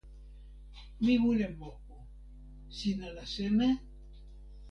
mi wile moku. sina la seme?